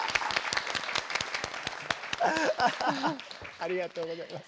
ありがとうございます。